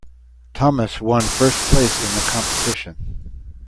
Thomas one first place in the competition.